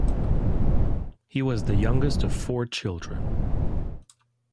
He was the youngest of four children.